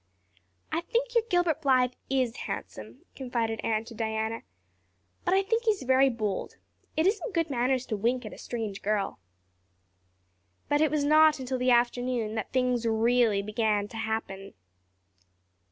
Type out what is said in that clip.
"I think your Gilbert Blythe is handsome," confided Anne to Diana, "but I think he's very bold. It isn't good manners to wink at a strange girl." But it was not until the afternoon that things really began to happen.